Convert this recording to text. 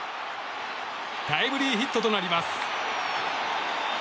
タイムリーヒットとなります。